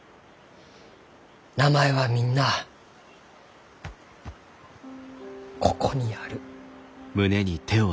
名前はみんなあここにある。